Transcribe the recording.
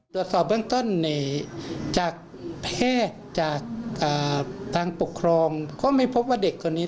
ตรวจสอบเบื้องต้นจากแพทย์จากทางปกครองก็ไม่พบว่าเด็กคนนี้